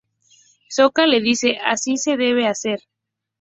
Sokka le dice "así se debe hacer!